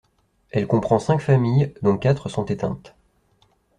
Elle comprend cinq familles dont quatre sont éteintes.